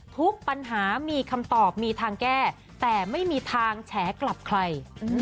ทุกปัญหามีคำตอบมีทางแก้แต่ไม่มีทางแฉกลับใคร